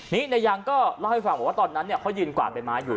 นี่หน่อยอยากต่อให้ฟังว่าตอนนั้นเนี้ยเขายืนกว่าในม้ายู